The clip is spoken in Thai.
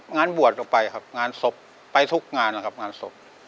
งานบวชก็ไปครับงานศพไปทุกงานนะครับงานศพ